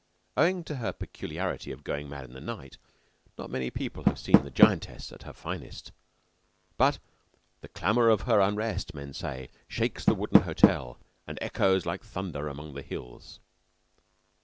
Owing to her peculiarity of going mad in the night, not many people have seen the Giantess at her finest; but the clamor of her unrest, men say, shakes the wooden hotel, and echoes like thunder among the hills.